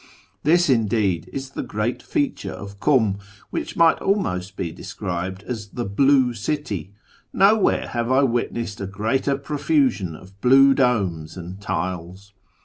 This, indeed, is the great feature of Kum, which might almost be described as the " Blue City "; nowhere have I witnessed a greater profusion of blue domes and tiles.